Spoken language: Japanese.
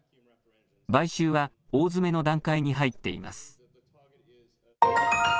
買収は大詰めの段階に入っています。